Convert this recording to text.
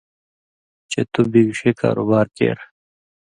چےۡ تُو بِگ ݜے کاروبار کېر